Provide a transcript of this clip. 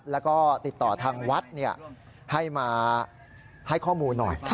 แล้วก็ติดต่อทางวัดให้มาให้ข้อมูลหน่อย